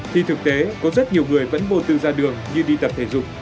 thì thực tế có rất nhiều người vẫn vô tư ra đường như đi tập thể dục